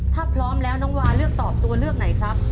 ถ้าพร้อมแล้วน้องวาเลือกตอบตัวเลือกไหนครับ